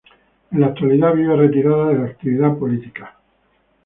En la actualidad vive retirada de la actividad política.